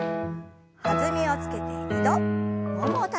弾みをつけて２度ももをたたいて。